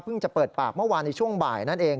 จะเปิดปากเมื่อวานในช่วงบ่ายนั่นเอง